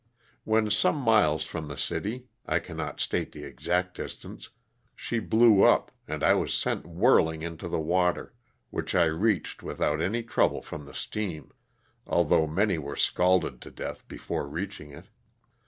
When some miles from the city (I cannot state the exact distance) she blew up, and I was sent whirling into the water, which T reached without any trouble from the steam, although many were scalded to death before reaching it.